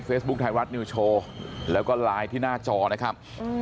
เผสบุ๊คไทยวัตน์นิวโชว์แล้วก็ไลน์ที่หน้าจอนะครับ